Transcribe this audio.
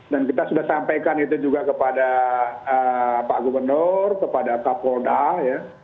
dan kita sudah sampaikan itu juga kepada pak gubernur kepada pak poldal